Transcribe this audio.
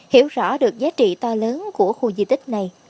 hiểu rõ được giá trị to lớn của khu di tích này